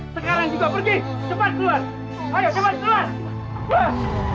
sekarang juga pergi